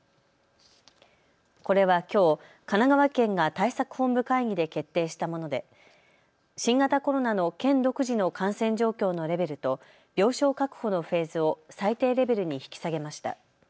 これはきょう、神奈川県が対策本部会議で決定したもので新型コロナの県独自の感染状況のレベルと病床確保のフェーズを最低レベルに引き下げました。